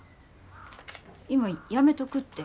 今やめとくって。